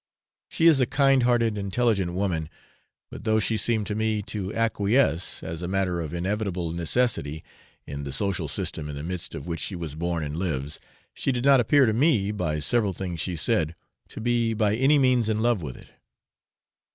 She is a kind hearted, intelligent woman; but though she seemed to me to acquiesce, as a matter of inevitable necessity, in the social system in the midst of which she was born and lives, she did not appear to me, by several things she said, to be by any means in love with it.